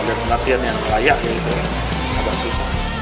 liat latihan yang layak ya agak susah